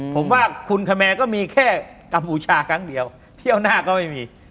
ผมว่าคุณคแมร์ก็มีแค่กัมพูชาครั้งเดียวเที่ยวหน้าก็ไม่มี